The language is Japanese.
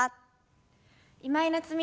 今井菜津美です。